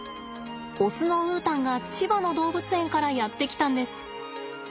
オスのウータンが千葉の動物園からやって来たんです。